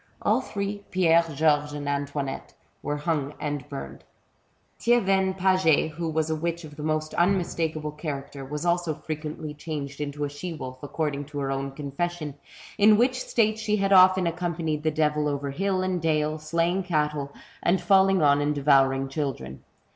All three, Pierre, Georges, and Antoinnette, were hung and burned. Thievenne Paget, who was a witch of the most unmistakable character, was also frequently changed into a she wolf, according to her own confession, in which state she had often accompanied the devil over hill and dale, slaying cattle, and falling on and devouring children.